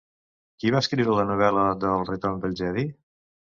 Qui va escriure la novel·la d'El retorn del Jedi?